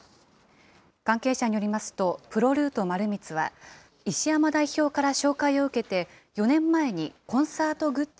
関係者によりますと、プロルート丸光は、石山代表から紹介を受けて、４年前にコンサートグッズ